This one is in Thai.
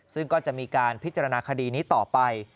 ซึ่งก็จะมีการพิจารณาคดีนี้ต่อไป